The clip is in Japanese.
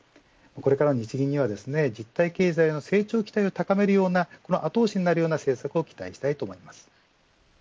これからの日銀には実体経済の成長期待を高めるような後押しになるような政策を期待したいと思います。